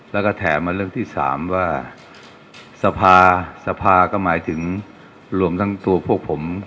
แล้วก็แถมมาเรื่องที่สามว่าสภาสภาก็หมายถึงรวมทั้งตัวพวกผม